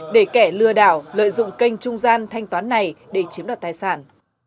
để kẻ lừa đảo lợi dụng kênh trung gian thanh toán này để chiếm đoạt tài sản